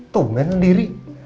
tuh mainan diri